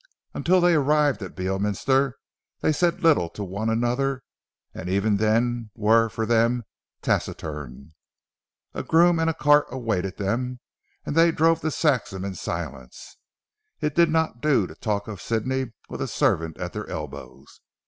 Until they arrived at Beorminster, they said little to one another, and even then were for them taciturn. A groom and cart awaited them, and they drove to Saxham in silence. It did not do to talk of Sidney with a servant at their elbows.